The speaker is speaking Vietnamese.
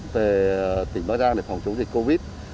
về tỉnh bắc giang để phòng chống dịch covid